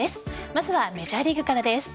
まずはメジャーリーグからです。